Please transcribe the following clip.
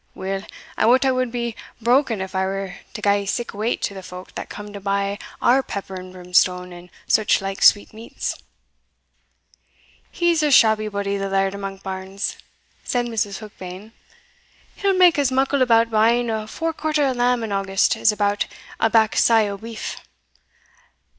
Weel I wot I wad be broken if I were to gie sic weight to the folk that come to buy our pepper and brimstone, and suchlike sweetmeats." "He's a shabby body the laird o' Monkbarns," said Mrs. Heukbane; "he'll make as muckle about buying a forequarter o' lamb in August as about a back sey o' beef.